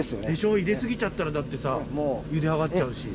入れ過ぎちゃったらゆで上がっちゃうし。